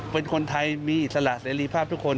เป็นคนไทยมีอิสระเสรีภาพทุกคน